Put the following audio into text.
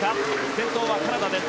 先頭はカナダです。